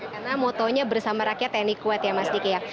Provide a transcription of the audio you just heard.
karena motonya bersama rakyat tni kuat ya mas diki ya